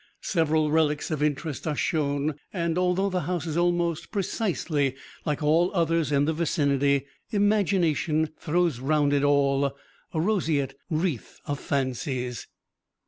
Several relics of interest are shown, and although the house is almost precisely like all others in the vicinity, imagination throws round it all a roseate wreath of fancies.